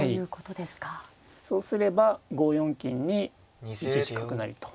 そうすれば５四金に１一角成と。